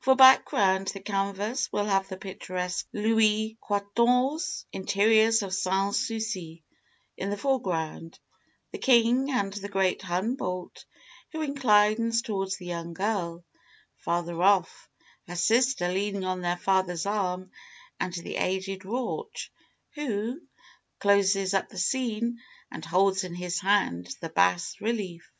For background the canvas will have the picturesque Louis Quatorze interiors of Sans Souci; in the foreground, the king and the great Humboldt, who inclines towards the young girl; farther off, her sister leaning on their father's arm, and the aged Rauch, who closes up the scene and holds in his hand the bas relief.